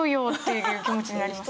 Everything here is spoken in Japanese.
いう気持ちになります。